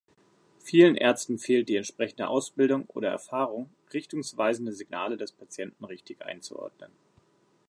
Vielen Ärzten fehlt die entsprechende Ausbildung oder Erfahrung, richtungsweisende Signale des Patienten richtig einzuordnen.